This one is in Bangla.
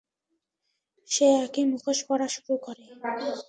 সে একই মুখোশ পরা শুরু করে।